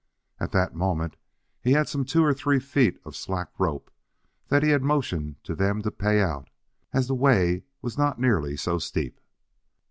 At that moment he had some two or three feet of slack rope, that he had motioned to them to pay out, as the way was not now nearly so steep.